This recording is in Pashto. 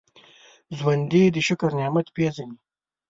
ژوندي د شکر نعمت پېژني